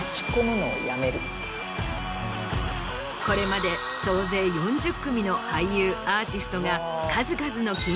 これまで総勢４０組の俳優アーティストが。